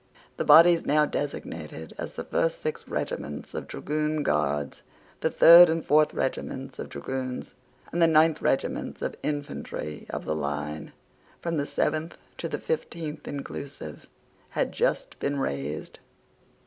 The bodies now designated as the first six regiments of dragoon guards, the third and fourth regiments of dragoons, and the nine regiments of infantry of the line, from the seventh to the fifteenth inclusive, had just been raised.